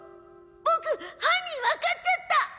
ボク犯人わかっちゃった！